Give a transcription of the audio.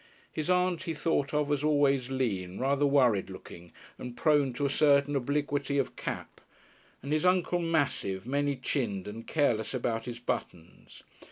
His aunt he thought of as always lean, rather worried looking, and prone to a certain obliquity of cap, and his uncle massive, many chinned, and careless about his buttons.